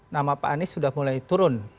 nama pak anies sudah mulai turun